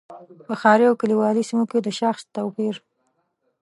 په ښاري او کلیوالي سیمو کې د شاخص توپیر.